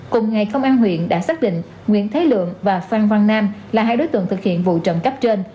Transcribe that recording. cùng ngày công an huyện đã xác định nguyễn thế lượng và phan văn nam là hai đối tượng thực hiện vụ trộm cắp trên